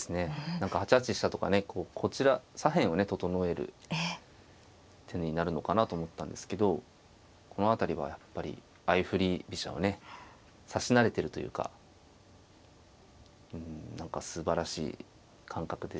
何か８八飛車とかねこちら左辺をね整える手になるのかなと思ったんですけどこの辺りはやっぱり相振り飛車をね指し慣れてるというかうん何かすばらしい感覚ですね。